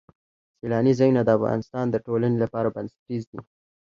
سیلاني ځایونه د افغانستان د ټولنې لپاره بنسټیز دي.